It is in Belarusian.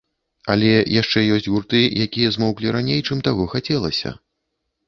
Але яшчэ ёсць гурты, якія змоўклі раней, чым таго хацелася.